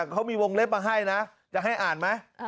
เขามีวงเล็บมาให้นะจะให้อ่านไหม